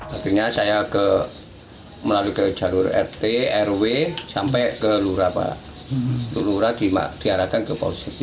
akhirnya saya melalui ke jalur rt rw sampai ke lura pak lura diarahkan ke polsek